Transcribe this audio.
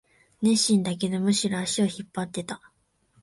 熱心だけど、むしろ足を引っ張ってた